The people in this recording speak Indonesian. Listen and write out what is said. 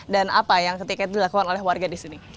dan apa yang ketika itu dilakukan oleh warga di sini